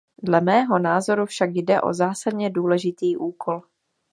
Dle mého názoru však jde o zásadně důležitý úkol.